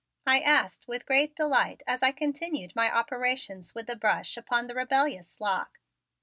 I asked with great delight as I continued my operations with the brush upon the rebellious lock.